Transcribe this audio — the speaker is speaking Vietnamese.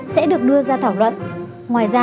sẽ được đưa ra thảo luận